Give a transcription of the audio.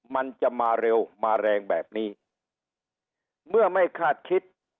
มันจะมาเร็วมาแรงแบบนี้เมื่อไม่คาดคิด